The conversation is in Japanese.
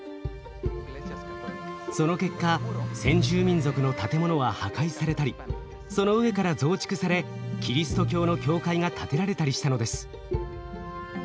その結果先住民族の建物は破壊されたりその上から増築されキリスト教の教会が建てられたりしたのです。